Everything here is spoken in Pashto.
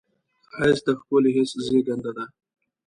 ښایست د ښکلي حس زېږنده ده